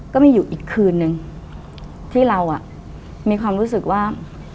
ก็มีอยู่อีกคืนนึงที่เรามีความรู้สึกว่า